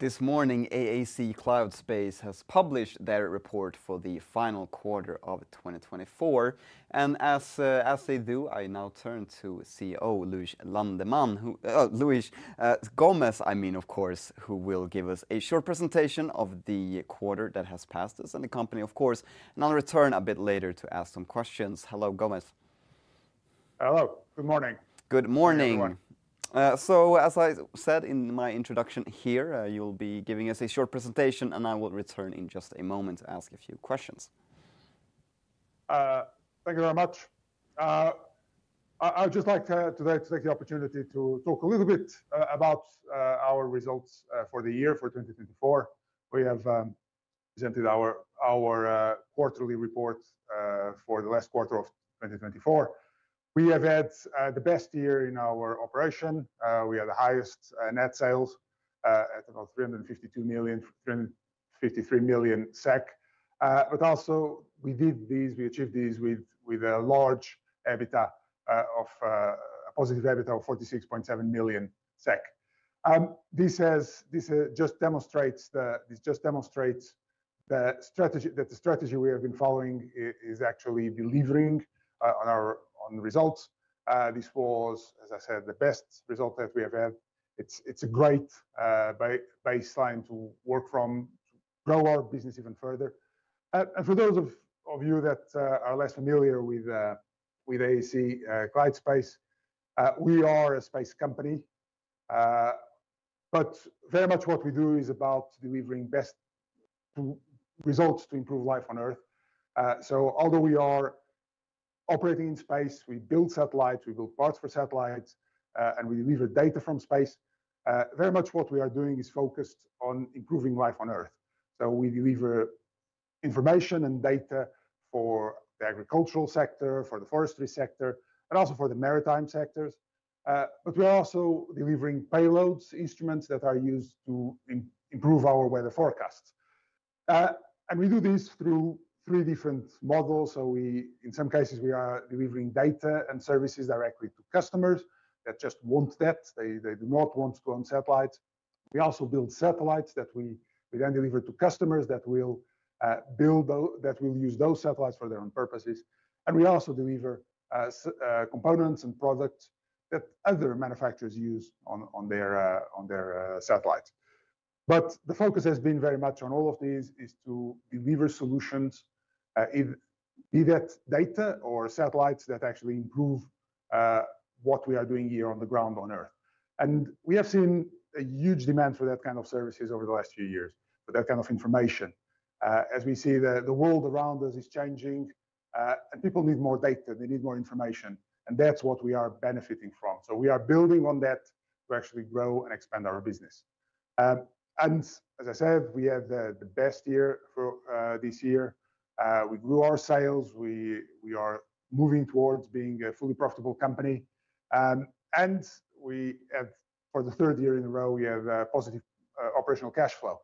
This morning, AAC Clyde Space has published their report for the final quarter of 2024. As they do, I now turn to CEO Luis Gomes, who will give us a short presentation of the quarter that has passed us and the company, of course, and I'll return a bit later to ask some questions. Hello, Gomes. Hello. Good morning. Good morning. Good morning. As I said in my introduction here, you'll be giving us a short presentation, and I will return in just a moment to ask a few questions. Thank you very much. I would just like today to take the opportunity to talk a little bit about our results for the year for 2024. We have presented our quarterly report for the last quarter of 2024. We have had the best year in our operation. We had the highest net sales at about 352 million, 353 million SEK. Also, we did these, we achieved these with a large EBITDA, a positive EBITDA of 46.7 million SEK. This just demonstrates the strategy that we have been following is actually delivering on our results. This was, as I said, the best result that we have had. It's a great baseline to work from to grow our business even further. For those of you that are less familiar with AAC Clyde Space, we are a space company, but very much what we do is about delivering best results to improve life on Earth. Although we are operating in space, we build satellites, we build parts for satellites, and we deliver data from space, very much what we are doing is focused on improving life on Earth. We deliver information and data for the agricultural sector, for the forestry sector, and also for the maritime sectors. We are also delivering payloads, instruments that are used to improve our weather forecasts. We do this through three different models. In some cases, we are delivering data and services directly to customers that just want that. They do not want to go on satellites. We also build satellites that we then deliver to customers that will use those satellites for their own purposes. We also deliver components and products that other manufacturers use on their satellites. The focus has been very much on all of these to deliver solutions, be that data or satellites that actually improve what we are doing here on the ground on Earth. We have seen a huge demand for that kind of services over the last few years, for that kind of information. As we see, the world around us is changing, and people need more data. They need more information. That is what we are benefiting from. We are building on that to actually grow and expand our business. As I said, we have the best year this year. We grew our sales. We are moving towards being a fully profitable company. For the third year in a row, we have positive operational cash flow.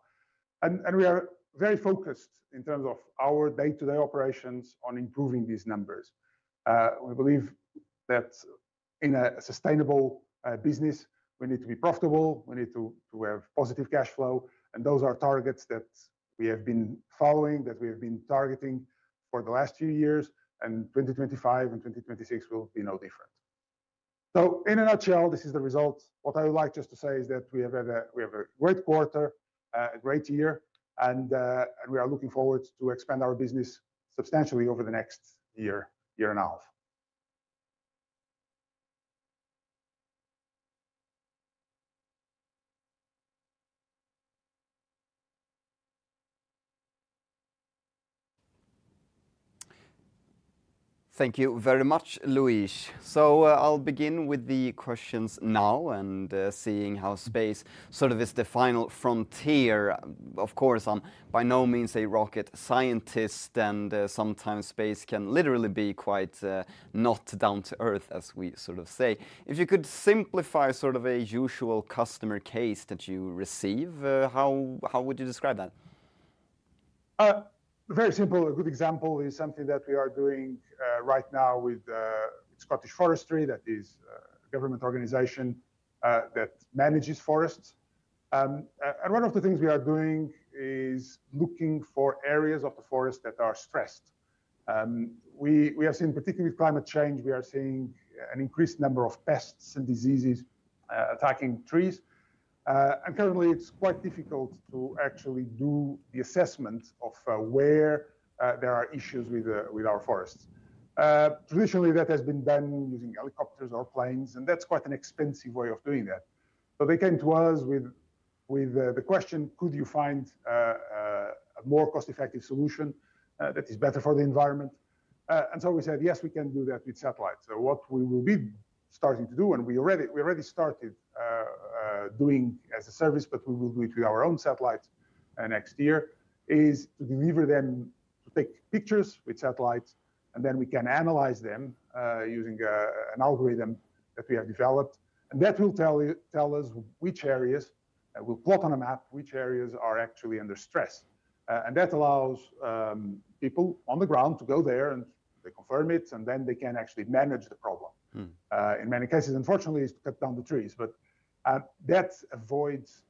We are very focused in terms of our day-to-day operations on improving these numbers. We believe that in a sustainable business, we need to be profitable. We need to have positive cash flow. Those are targets that we have been following, that we have been targeting for the last few years. 2025 and 2026 will be no different. In a nutshell, this is the result. What I would like just to say is that we have a great quarter, a great year, and we are looking forward to expand our business substantially over the next year, year and a half. Thank you very much, Luis. I'll begin with the questions now, and seeing how space sort of is the final frontier. Of course, I'm by no means a rocket scientist, and sometimes space can literally be quite not down to earth, as we sort of say. If you could simplify sort of a usual customer case that you receive, how would you describe that? Very simple. A good example is something that we are doing right now with Scottish Forestry, that is a government organization that manages forests. One of the things we are doing is looking for areas of the forest that are stressed. We have seen, particularly with climate change, we are seeing an increased number of pests and diseases attacking trees. Currently, it's quite difficult to actually do the assessment of where there are issues with our forests. Traditionally, that has been done using helicopters or planes, and that's quite an expensive way of doing that. They came to us with the question, could you find a more cost-effective solution that is better for the environment? We said, yes, we can do that with satellites. What we will be starting to do, and we already started doing as a service, but we will do it with our own satellites next year, is to deliver them, to take pictures with satellites, and then we can analyze them using an algorithm that we have developed. That will tell us which areas, we will plot on a map, which areas are actually under stress. That allows people on the ground to go there and they confirm it, and then they can actually manage the problem. In many cases, unfortunately, it is to cut down the trees, but that avoids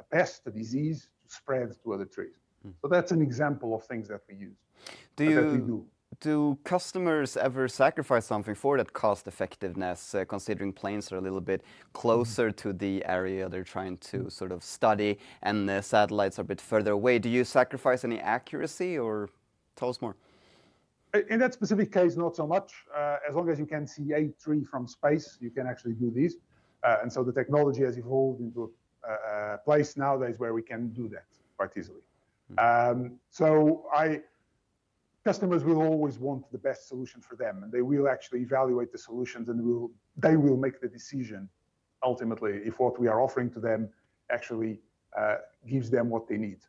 a pest, a disease to spread to other trees. That is an example of things that we use, that we do. Do customers ever sacrifice something for that cost-effectiveness, considering planes are a little bit closer to the area they're trying to sort of study and the satellites are a bit further away? Do you sacrifice any accuracy or tell us more? In that specific case, not so much. As long as you can see a tree from space, you can actually do this. The technology has evolved into a place nowadays where we can do that quite easily. Customers will always want the best solution for them, and they will actually evaluate the solutions, and they will make the decision ultimately if what we are offering to them actually gives them what they need.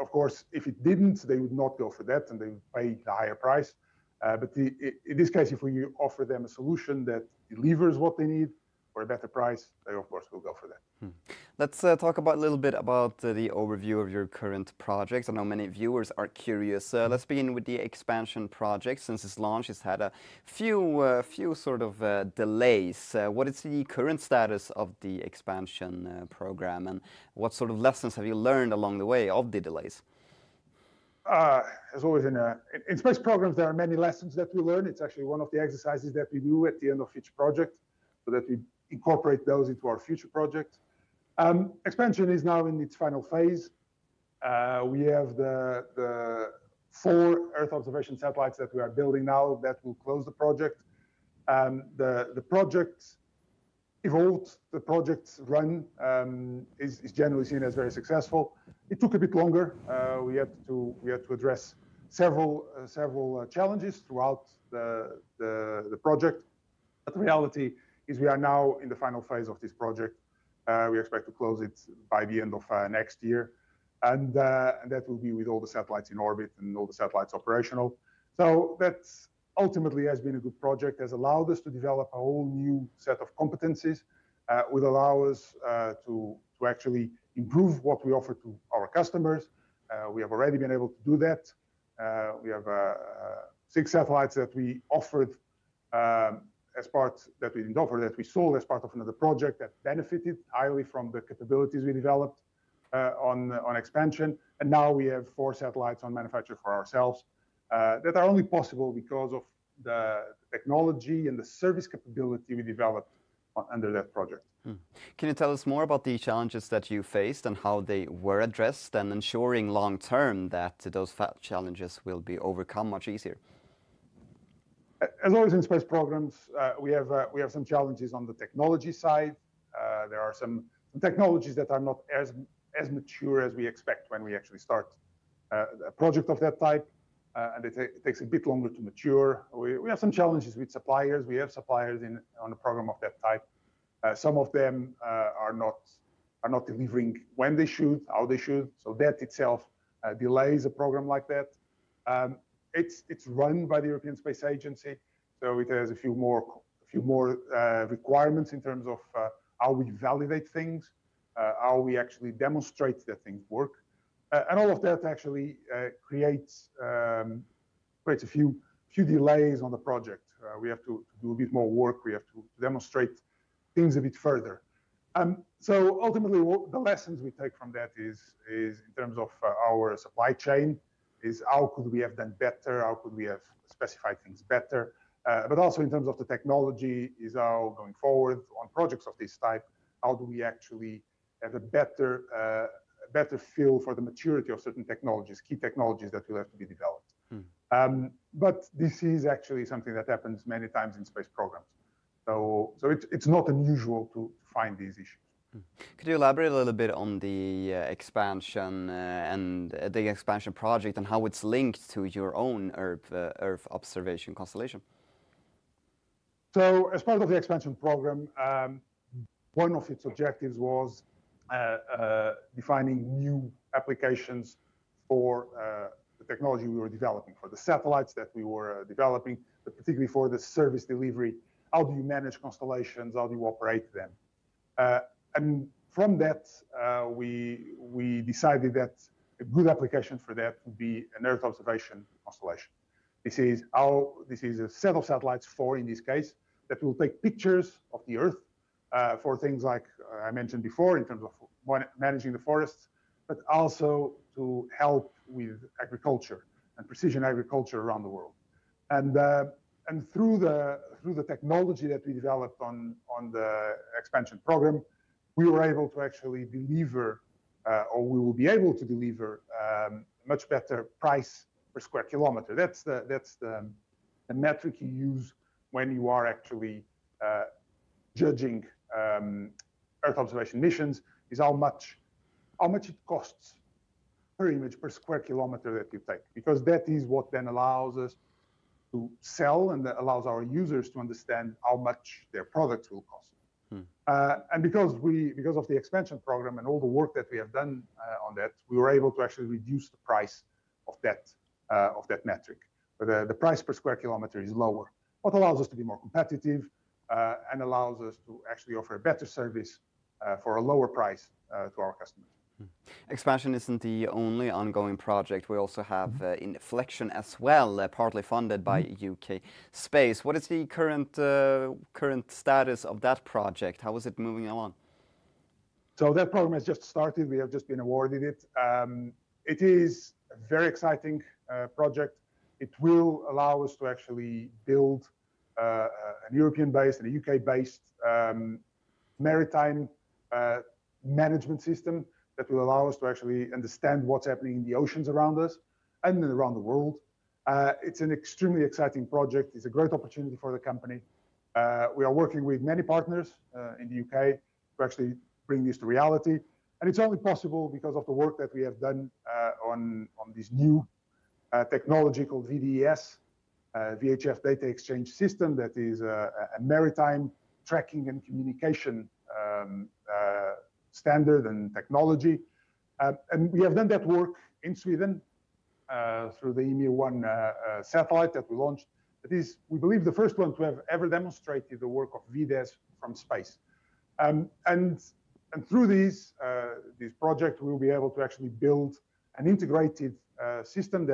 Of course, if it did not, they would not go for that, and they would pay the higher price. In this case, if we offer them a solution that delivers what they need for a better price, they, of course, will go for that. Let's talk a little bit about the overview of your current projects. I know many viewers are curious. Let's begin with the xSPANCION project. Since its launch, it's had a few sort of delays. What is the current status of the xSPANCION program, and what sort of lessons have you learned along the way of the delays? As always, in space programs, there are many lessons that we learn. It's actually one of the exercises that we do at the end of each project so that we incorporate those into our future projects. xSPANCION is now in its final phase. We have the four Earth observation satellites that we are building now that will close the project. The project evolved, the project's run is generally seen as very successful. It took a bit longer. We had to address several challenges throughout the project. The reality is we are now in the final phase of this project. We expect to close it by the end of next year. That will be with all the satellites in orbit and all the satellites operational. That ultimately has been a good project, has allowed us to develop a whole new set of competencies that will allow us to actually improve what we offer to our customers. We have already been able to do that. We have six satellites that we sold as part of another project that benefited highly from the capabilities we developed on xSPANCION. Now we have four satellites on manufacture for ourselves that are only possible because of the technology and the service capability we developed under that project. Can you tell us more about the challenges that you faced and how they were addressed and ensuring long-term that those challenges will be overcome much easier? As always in space programs, we have some challenges on the technology side. There are some technologies that are not as mature as we expect when we actually start a project of that type, and it takes a bit longer to mature. We have some challenges with suppliers. We have suppliers on a program of that type. Some of them are not delivering when they should, how they should. That itself delays a program like that. It is run by the European Space Agency, so it has a few more requirements in terms of how we validate things, how we actually demonstrate that things work. All of that actually creates a few delays on the project. We have to do a bit more work. We have to demonstrate things a bit further. Ultimately, the lessons we take from that is in terms of our supply chain, is how could we have done better, how could we have specified things better. Also in terms of the technology, is how going forward on projects of this type, how do we actually have a better feel for the maturity of certain technologies, key technologies that will have to be developed. This is actually something that happens many times in space programs. It is not unusual to find these issues. Could you elaborate a little bit on the xSPANCION and the xSPANCION project and how it's linked to your own Earth observation constellation? As part of the xSPANCION program, one of its objectives was defining new applications for the technology we were developing, for the satellites that we were developing, but particularly for the service delivery. How do you manage constellations? How do you operate them? From that, we decided that a good application for that would be an Earth observation constellation. This is a set of satellites, four in this case, that will take pictures of the Earth for things like I mentioned before in terms of managing the forests, but also to help with agriculture and precision agriculture around the world. Through the technology that we developed on the xSPANCION program, we were able to actually deliver, or we will be able to deliver a much better price per square kilometer. That's the metric you use when you are actually judging Earth observation missions, is how much it costs per image per square kilometer that you take, because that is what then allows us to sell and allows our users to understand how much their product will cost. Because of the xSPANCION program and all the work that we have done on that, we were able to actually reduce the price of that metric. The price per square kilometer is lower, which allows us to be more competitive and allows us to actually offer a better service for a lower price to our customers. Expansion isn't the only ongoing project. We also have xNFLECTION as well, partly funded by UK Space Agency. What is the current status of that project? How is it moving along? That program has just started. We have just been awarded it. It is a very exciting project. It will allow us to actually build a European-based and a U.K.-based maritime management system that will allow us to actually understand what's happening in the oceans around us and around the world. It's an extremely exciting project. It's a great opportunity for the company. We are working with many partners in the U.K. to actually bring this to reality. It's only possible because of the work that we have done on this new technology called VDES, VHF Data Exchange System, that is a maritime tracking and communication standard and technology. We have done that work in Sweden through the Ymir-1 satellite that we launched. That is, we believe, the first one to have ever demonstrated the work of VDES from space. Through this project, we will be able to actually build an integrated system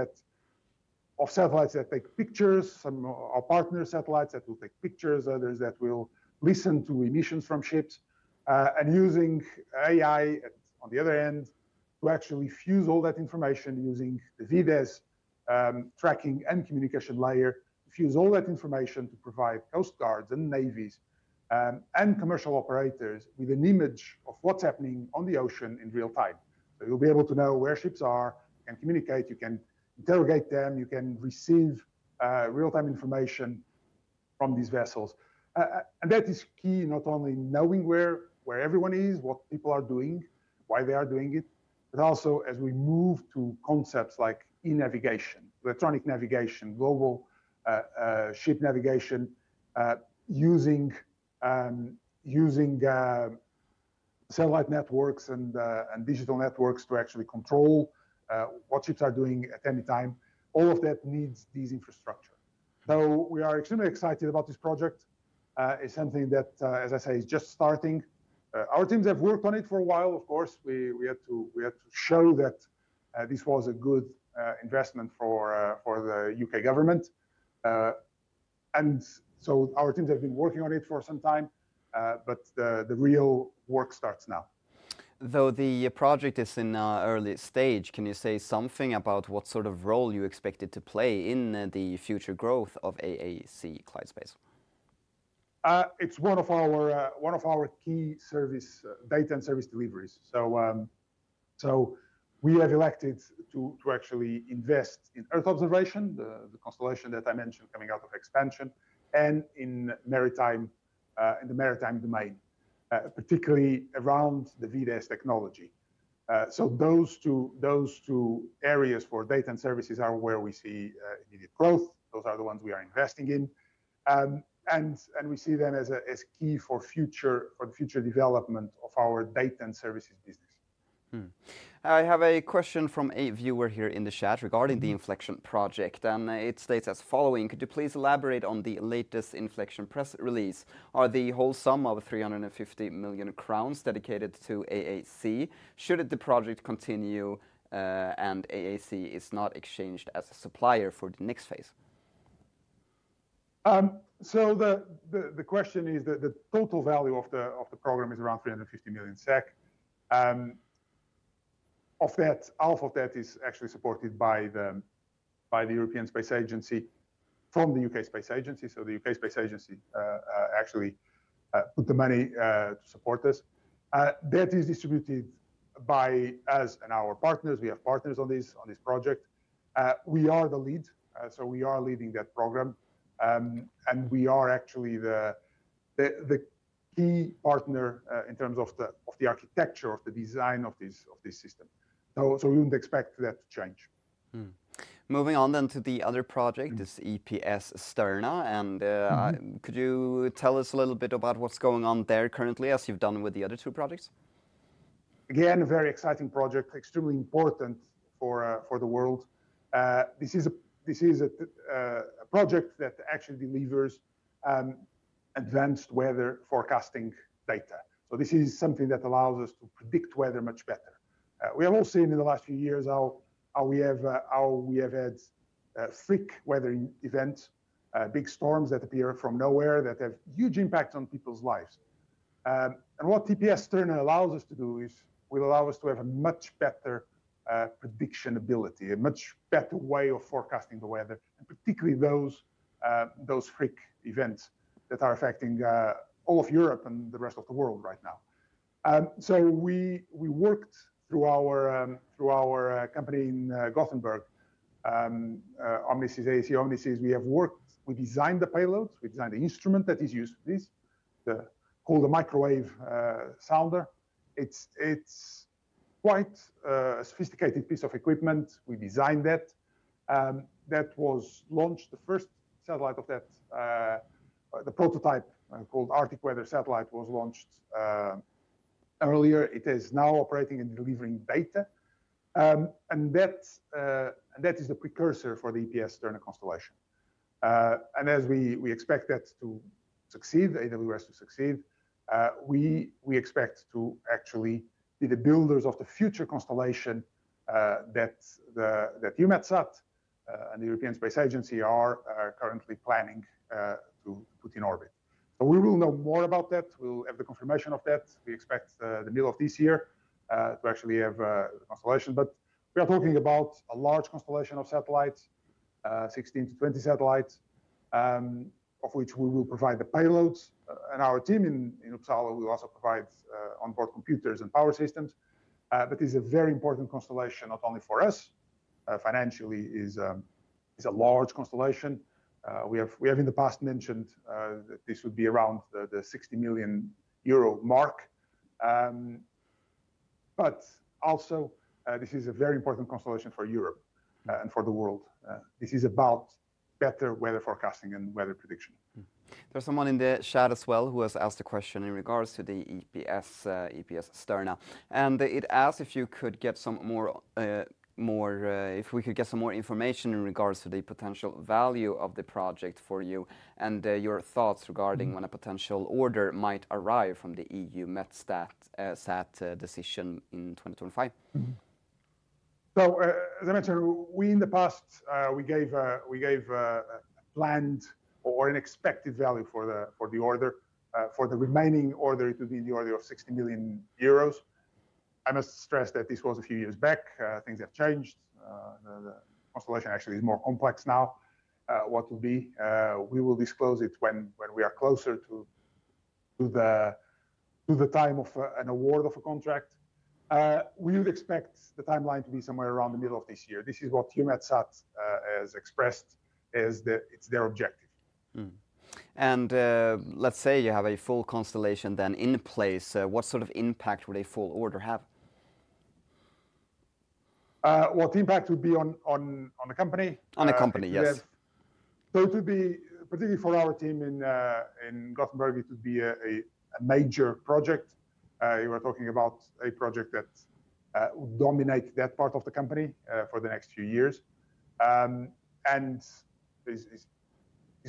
of satellites that take pictures, some of our partner satellites that will take pictures, others that will listen to emissions from ships, and using AI on the other end to actually fuse all that information using the VDES tracking and communication layer, fuse all that information to provide coast guards and navies and commercial operators with an image of what's happening on the ocean in real time. You'll be able to know where ships are. You can communicate. You can interrogate them. You can receive real-time information from these vessels. That is key, not only knowing where everyone is, what people are doing, why they are doing it, but also as we move to concepts like e-navigation, electronic navigation, global ship navigation, using satellite networks and digital networks to actually control what ships are doing at any time. All of that needs this infrastructure. We are extremely excited about this project. It's something that, as I say, is just starting. Our teams have worked on it for a while. Of course, we had to show that this was a good investment for the U.K. government. Our teams have been working on it for some time, but the real work starts now. Though the project is in an early stage, can you say something about what sort of role you expect it to play in the future growth of AAC Clyde Space? It's one of our key service data and service deliveries. We have elected to actually invest in Earth observation, the constellation that I mentioned coming out of xSPANCION, and in the maritime domain, particularly around the VDES technology. Those two areas for data and services are where we see immediate growth. Those are the ones we are investing in. We see them as key for the future development of our data and services business. I have a question from a viewer here in the chat regarding the xNFLECTION project, and it states as following. Could you please elaborate on the latest xNFLECTION press release? Are the whole sum of 350 million crowns dedicated to AAC Clyde Space? Should the project continue and AAC Clyde Space is not exchanged as a supplier for the next phase? The question is that the total value of the program is around 350 million SEK. Half of that is actually supported by the European Space Agency from the U.K. Space Agency. The U.K. Space Agency actually put the money to support us. That is distributed by us and our partners. We have partners on this project. We are the lead. We are leading that program. We are actually the key partner in terms of the architecture of the design of this system. We would not expect that to change. Moving on then to the other project, it's EPS-Sterna. Could you tell us a little bit about what's going on there currently as you've done with the other two projects? Again, a very exciting project, extremely important for the world. This is a project that actually delivers advanced weather forecasting data. This is something that allows us to predict weather much better. We have all seen in the last few years how we have had freak weather events, big storms that appear from nowhere that have huge impacts on people's lives. What EPS-Sterna allows us to do is will allow us to have a much better prediction ability, a much better way of forecasting the weather, and particularly those freak events that are affecting all of Europe and the rest of the world right now. We worked through our company in Gothenburg, Omnisys. AAC Omnisys, we have worked. We designed the payloads. We designed the instrument that is used for this, called the microwave sounder. It's quite a sophisticated piece of equipment. We designed that. That was launched. The first satellite of that, the prototype called Arctic Weather Satellite, was launched earlier. It is now operating and delivering data. That is the precursor for the EPS-Sterna constellation. As we expect that to succeed, AWS to succeed, we expect to actually be the builders of the future constellation that EUMETSAT and the European Space Agency are currently planning to put in orbit. We will know more about that. We will have the confirmation of that. We expect the middle of this year to actually have a constellation. We are talking about a large constellation of satellites, 16-20 satellites, of which we will provide the payloads. Our team in Uppsala will also provide onboard computers and power systems. It is a very important constellation, not only for us. Financially, it is a large constellation. We have in the past mentioned that this would be around the 60 million euro mark. This is a very important constellation for Europe and for the world. This is about better weather forecasting and weather prediction. There's someone in the chat as well who has asked a question in regards to the EPS-Sterna. It asked if you could get some more, if we could get some more information in regards to the potential value of the project for you and your thoughts regarding when a potential order might arrive from the EUMETSAT decision in 2025. As I mentioned, in the past, we gave a planned or an expected value for the order. For the remaining order, it would be in the order of 60 million euros. I must stress that this was a few years back. Things have changed. The constellation actually is more complex now. What will be, we will disclose it when we are closer to the time of an award of a contract. We would expect the timeline to be somewhere around the middle of this year. This is what EUMETSAT has expressed as their objective. Let's say you have a full constellation then in place, what sort of impact would a full order have? What impact would be on a company? On a company, yes. It would be, particularly for our team in Gothenburg, it would be a major project. You were talking about a project that would dominate that part of the company for the next few years. It is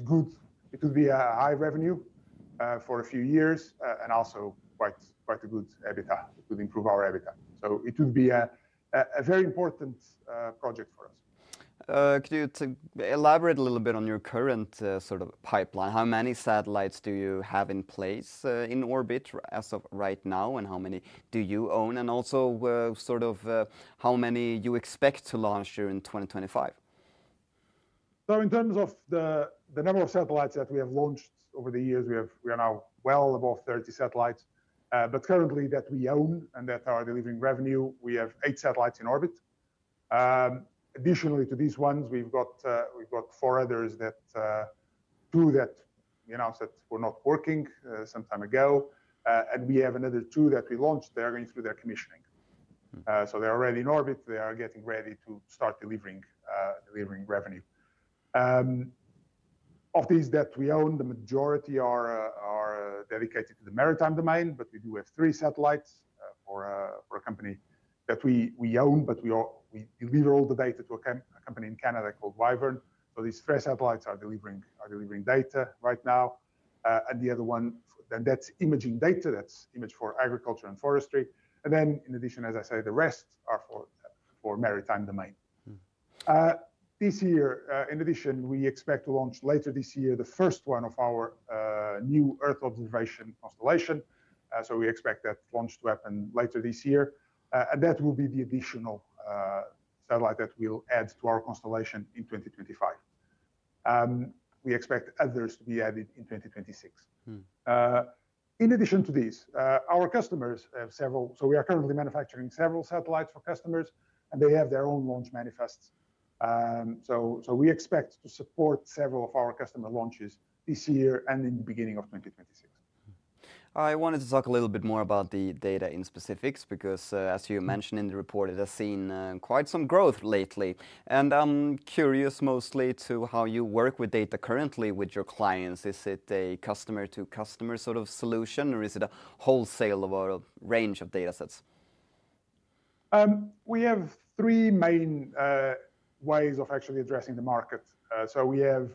good. It would be a high revenue for a few years and also quite a good habitat. It would improve our habitat. It would be a very important project for us. Could you elaborate a little bit on your current sort of pipeline? How many satellites do you have in place in orbit as of right now, and how many do you own, and also sort of how many you expect to launch during 2025? In terms of the number of satellites that we have launched over the years, we are now well above 30 satellites. Currently, that we own and that are delivering revenue, we have eight satellites in orbit. Additionally to these ones, we've got four others: two that we announced that were not working some time ago, and we have another two that we launched. They are going through their commissioning. They are already in orbit. They are getting ready to start delivering revenue. Of these that we own, the majority are dedicated to the maritime domain, but we do have three satellites for a company that we own, but we deliver all the data to a company in Canada called Wyvern. These three satellites are delivering data right now. The other one, then, that's imaging data. That's image for agriculture and forestry. In addition, as I say, the rest are for maritime domain. This year, in addition, we expect to launch later this year the first one of our new Earth observation constellation. We expect that launch to happen later this year. That will be the additional satellite that we'll add to our constellation in 2025. We expect others to be added in 2026. In addition to these, our customers have several, so we are currently manufacturing several satellites for customers, and they have their own launch manifests. We expect to support several of our customer launches this year and in the beginning of 2026. I wanted to talk a little bit more about the data in specifics because, as you mentioned in the report, it has seen quite some growth lately. I am curious mostly to how you work with data currently with your clients. Is it a customer-to-customer sort of solution, or is it a wholesale range of data sets? We have three main ways of actually addressing the market. We have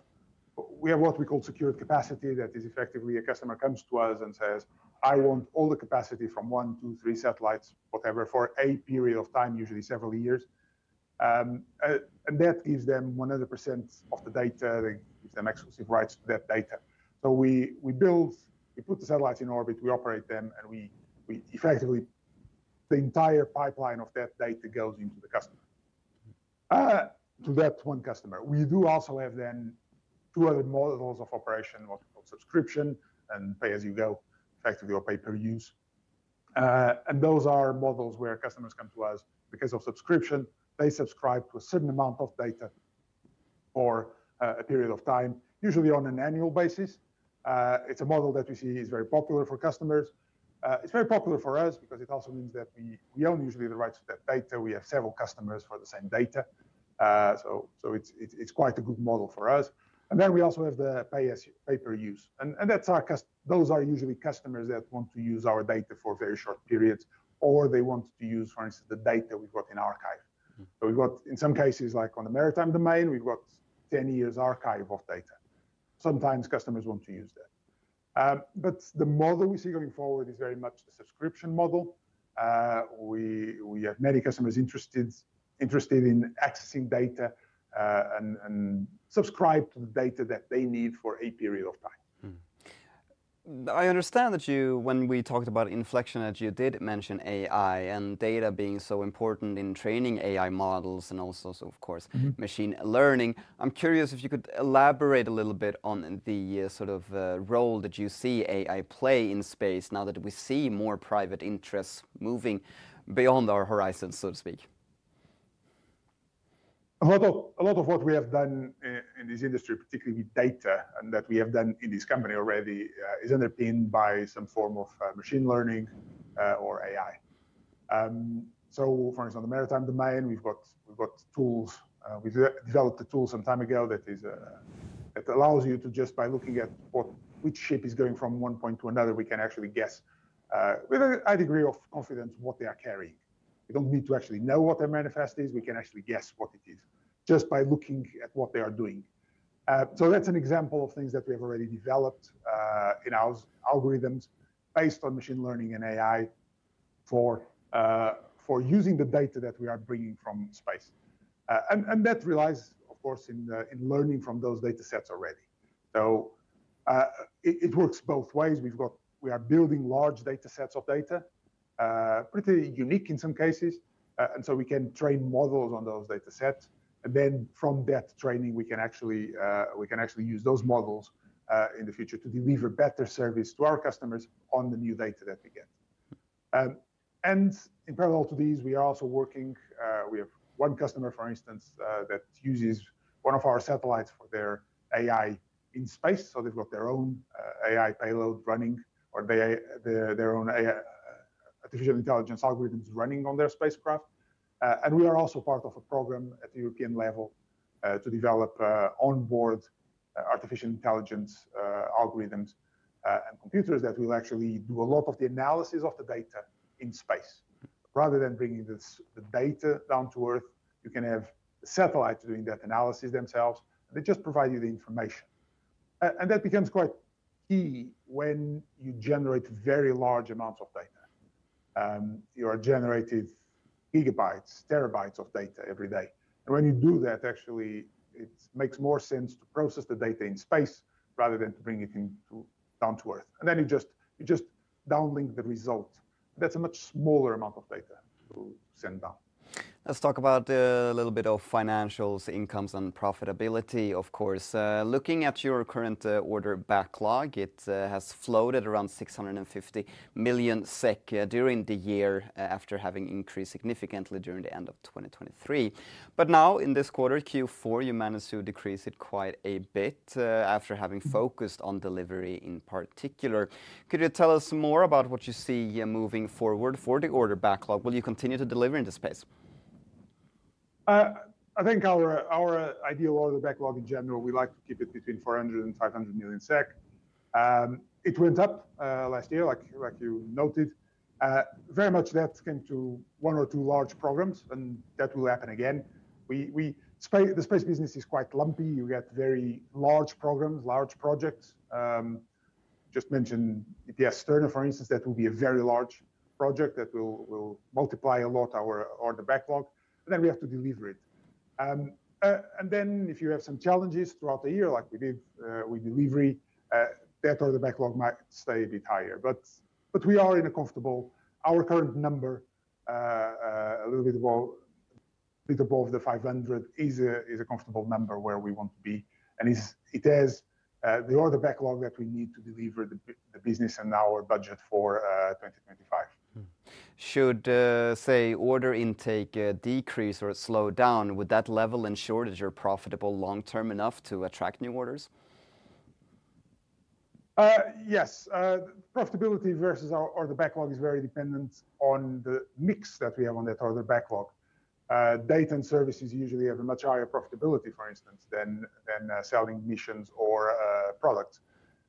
what we call secured capacity that is effectively a customer comes to us and says, "I want all the capacity from one, two, three satellites, whatever, for a period of time, usually several years." That gives them 100% of the data. That gives them exclusive rights to that data. We build, we put the satellites in orbit, we operate them, and we effectively the entire pipeline of that data goes into the customer to that one customer. We do also have then two other models of operation, what we call subscription and pay as you go, effectively or pay per use. Those are models where customers come to us because of subscription. They subscribe to a certain amount of data for a period of time, usually on an annual basis. It's a model that we see is very popular for customers. It's very popular for us because it also means that we own usually the rights to that data. We have several customers for the same data. It's quite a good model for us. We also have the pay as you go, pay per use. Those are usually customers that want to use our data for very short periods, or they want to use, for instance, the data we've got in archive. We've got, in some cases, like on the maritime domain, we've got 10 years archive of data. Sometimes customers want to use that. The model we see going forward is very much the subscription model. We have many customers interested in accessing data and subscribe to the data that they need for a period of time. I understand that when we talked about xNFLECTION, that you did mention AI and data being so important in training AI models and also, of course, machine learning. I'm curious if you could elaborate a little bit on the sort of role that you see AI play in space now that we see more private interests moving beyond our horizons, so to speak. A lot of what we have done in this industry, particularly with data and that we have done in this company already, is underpinned by some form of machine learning or AI. For instance, on the maritime domain, we've got tools. We developed a tool some time ago that allows you to just by looking at which ship is going from one point to another, we can actually guess with a high degree of confidence what they are carrying. We don't need to actually know what their manifest is. We can actually guess what it is just by looking at what they are doing. That's an example of things that we have already developed in our algorithms based on machine learning and AI for using the data that we are bringing from space. That relies of course in learning from those data sets already. It works both ways. We are building large data sets of data, pretty unique in some cases. We can train models on those data sets. From that training, we can actually use those models in the future to deliver better service to our customers on the new data that we get. In parallel to these, we are also working. We have one customer, for instance, that uses one of our satellites for their AI in space. They have their own AI payload running or their own artificial intelligence algorithms running on their spacecraft. We are also part of a program at the European level to develop onboard artificial intelligence algorithms and computers that will actually do a lot of the analysis of the data in space. Rather than bringing the data down to Earth, you can have satellites doing that analysis themselves. They just provide you the information. That becomes quite key when you generate very large amounts of data. You are generating gigabytes, terabytes of data every day. When you do that, actually, it makes more sense to process the data in space rather than to bring it down to Earth. You just downlink the result. That's a much smaller amount of data to send down. Let's talk about a little bit of financials, incomes, and profitability, of course. Looking at your current order backlog, it has floated around 650 million SEK during the year after having increased significantly during the end of 2023. Now in this quarter, Q4, you managed to decrease it quite a bit after having focused on delivery in particular. Could you tell us more about what you see moving forward for the order backlog? Will you continue to deliver in this space? I think our ideal order backlog in general, we like to keep it between 400 million SEK and 500 million SEK. It went up last year, like you noted. Very much that came to one or two large programs, and that will happen again. The space business is quite lumpy. You get very large programs, large projects. Just mentioned EPS-Sterna, for instance, that will be a very large project that will multiply a lot our order backlog. We have to deliver it. If you have some challenges throughout the year, like with delivery, that order backlog might stay a bit higher. We are in a comfortable our current number, a little bit above the 500 million, is a comfortable number where we want to be. It has the order backlog that we need to deliver the business and our budget for 2025. Should, say, order intake decrease or slow down, would that level and shortage are profitable long-term enough to attract new orders? Yes. Profitability versus our order backlog is very dependent on the mix that we have on that order backlog. Data and services usually have a much higher profitability, for instance, than selling missions or products.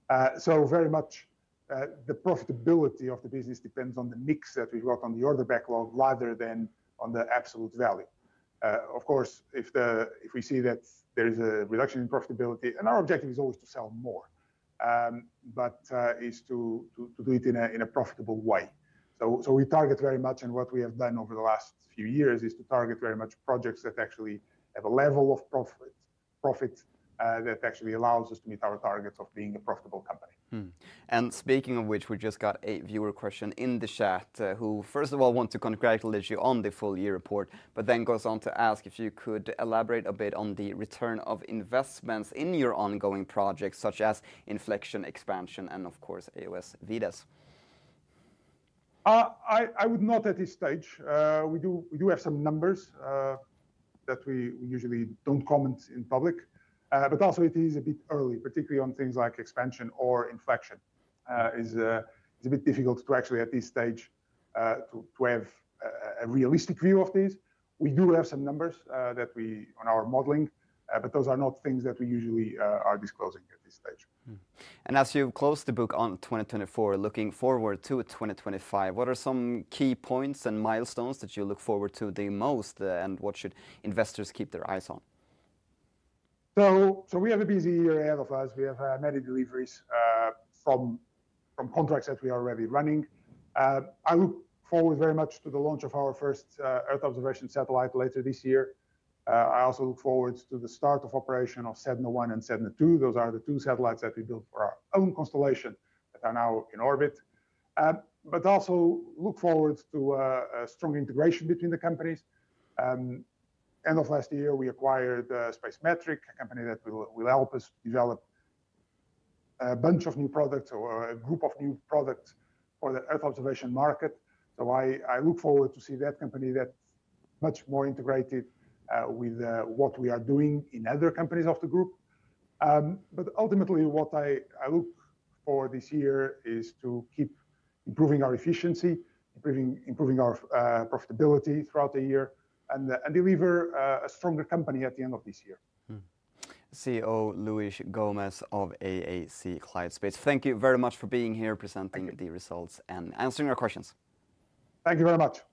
Very much the profitability of the business depends on the mix that we've got on the order backlog rather than on the absolute value. Of course, if we see that there is a reduction in profitability, our objective is always to sell more, but it is to do it in a profitable way. We target very much, and what we have done over the last few years is to target very much projects that actually have a level of profit that actually allows us to meet our targets of being a profitable company. Speaking of which, we just got a viewer question in the chat who, first of all, wants to congratulate you on the full year report, but then goes on to ask if you could elaborate a bit on the return of investments in your ongoing projects, such as xNFLECTION, xSPANCION, and of course, AWS, VDES. I would not at this stage. We do have some numbers that we usually do not comment in public. Also, it is a bit early, particularly on things like xSPANCION or xNFLECTION. It is a bit difficult to actually at this stage to have a realistic view of these. We do have some numbers that we on our modeling, but those are not things that we usually are disclosing at this stage. As you close the book on 2024, looking forward to 2025, what are some key points and milestones that you look forward to the most, and what should investors keep their eyes on? We have a busy year ahead of us. We have many deliveries from contracts that we are already running. I look forward very much to the launch of our first Earth observation satellite later this year. I also look forward to the start of operation of Sedna-1 and Sedna-2. Those are the two satellites that we built for our own constellation that are now in orbit. I also look forward to a strong integration between the companies. End of last year, we acquired xSPANCION, a company that will help us develop a bunch of new products or a group of new products for the Earth observation market. I look forward to seeing that company that's much more integrated with what we are doing in other companies of the group. Ultimately, what I look for this year is to keep improving our efficiency, improving our profitability throughout the year, and deliver a stronger company at the end of this year. CEO Luis Gomes of AAC Clyde Space, thank you very much for being here, presenting the results and answering our questions. Thank you very much.